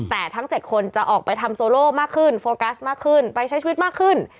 แต่ทั้ง๗คนจะออกไปทำโซโลมากขึ้นโฟกัสมากขึ้นไปใช้ชีวิตมากขึ้น